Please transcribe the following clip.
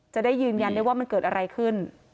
จะได้ยืนยันได้ว่ามันเกิดอะไรขึ้น